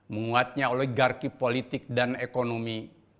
menguatnya oligarki politik dan ekonomi